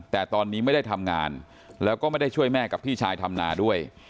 แต่ตอนนี้ไม่ได้ทำงานแล้วก็ไม่ได้ช่วยแม่กับพี่ชายทำนาด้วย